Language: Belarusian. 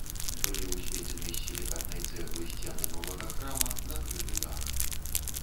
Былі ўзведзены з сілікатнай цэглы сцены новага храма, накрыты дах.